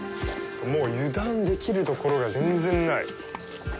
もう油断できるところが全然ない。